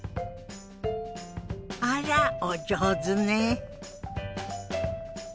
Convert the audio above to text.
あらお上手ね。